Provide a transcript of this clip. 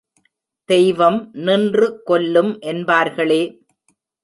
தெய்வம் நின்று கொல்லும் என்பார்களே!